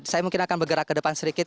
saya mungkin akan bergerak ke depan sedikit